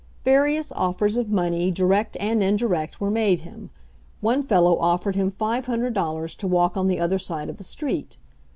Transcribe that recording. Various offers of money, direct and indirect, were made him. One fellow offered him $500 to walk on the other side of the street.